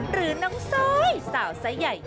หรือน้องซ้อยสาวไซส์ใหญ่